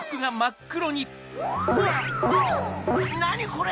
これ。